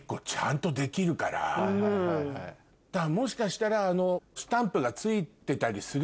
もしかしたらあの。